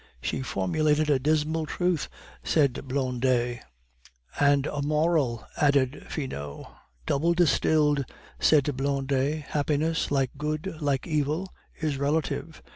'" "She formulated a dismal truth," said Blondet. "And a moral," added Finot. "Double distilled," said Blondet. "Happiness, like Good, like Evil, is relative.